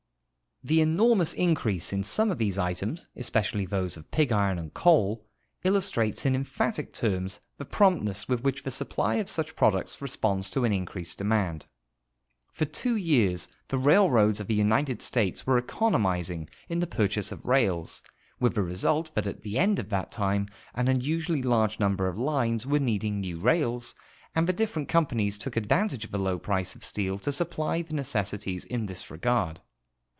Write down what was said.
The enormous increase in some of these items, especially those of pig iron and coal, illustrates in emphatic terms the promptness with which the supjily of such products responds to an increased demand. For two years the railroads of the United States were economizing in the pur chase of rails, with the result that at the end of that time an unusually large number of lines were needing new rails, and the different compa nies took advantage of the low price of steel to supply their necessities in this regard.